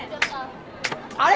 あれ？